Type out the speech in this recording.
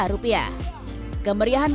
kemeriahan perayaan blibli